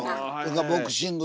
ボクシングとか。